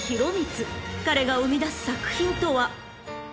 ［彼が生みだす作品とは］